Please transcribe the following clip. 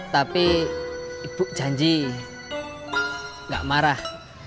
tapi ibu janji tidak marah